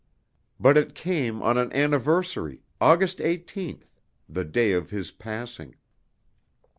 But it came on an anniversary, August 18th, the day of his passing.